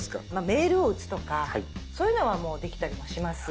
メールを打つとかそういうのはもうできたりはします。